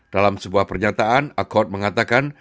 dalam sebuah pernyataan accord mengatakan